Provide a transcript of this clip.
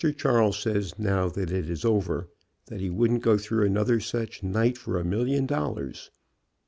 Charles says, now that it is over, that he wouldn't go through another such a night for a million dollars.